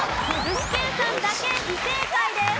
具志堅さんだけ不正解です。